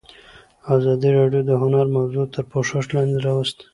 ازادي راډیو د هنر موضوع تر پوښښ لاندې راوستې.